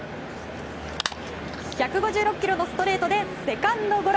１５６キロのストレートでセカンドゴロ。